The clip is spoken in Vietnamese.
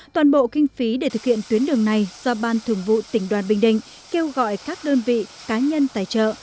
toàn bộ kinh phí để thực hiện tuyến đường này do ban thường vụ tỉnh đoàn bình định kêu gọi các đơn vị cá nhân tài trợ